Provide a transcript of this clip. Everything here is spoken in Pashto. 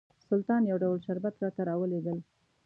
سلطان یو ډول شربت راته راولېږل.